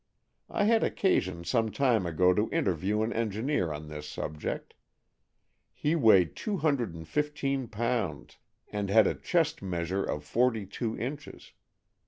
I had occasion some time ago to interview an engineer on this subject. He weighed two hundred and fifteen pounds, and had a chest measure of forty two inches.